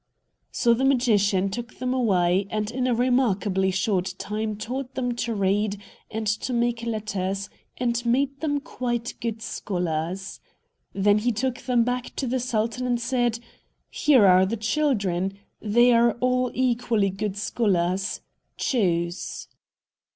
So the magician took them away, and in a remarkably short time taught them to read, and to make letters, and made them quite good scholars. Then he took them back to the sultan and said: "Here are the children. They are all equally good scholars. Choose."